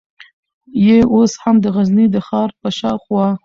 یې اوس هم د غزني د ښار په شاوخوا